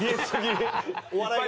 お笑いが？